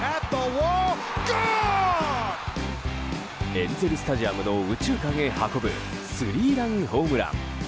エンゼル・スタジアムの右中間へ運ぶスリーランホームラン。